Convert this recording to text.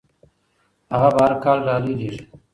هغه به هر کال ډالۍ لیږي.